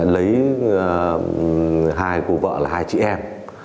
lấy hai cô vợ là hai chị em